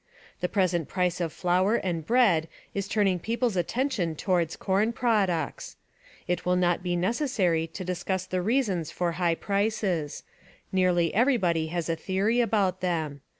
The present price of flour and bread is turning people's attention toward corn products. It will not be necessary to discuss the reasons for high prices; nearly everybody has a theory about them.